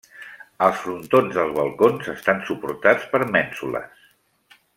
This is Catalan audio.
Els frontons dels balcons estan suportats per mènsules.